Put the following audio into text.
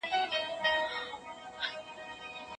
غړي د هېواد په سياسي چارو کي برخه اخلي.